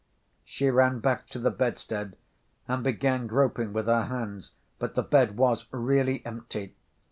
She ran back to the bedstead and began groping with her hands, but the bed was really empty.